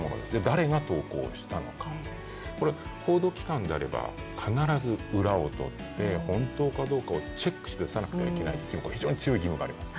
誰が投稿したのか、報道機関であれば必ず裏を取って、本当かどうかをチェックしなければいけないという非常に強い義務があります。